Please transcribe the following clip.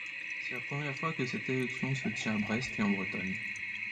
C'est la première fois que cette élection se tient à Brest et en Bretagne.